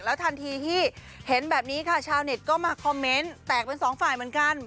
ทันทีที่เห็นแบบนี้ค่ะชาวเน็ตก็มาคอมเมนต์แตกเป็นสองฝ่ายเหมือนกัน